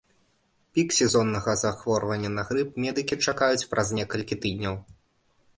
Пік сезоннага захворвання на грып медыкі чакаюць праз некалькі тыдняў.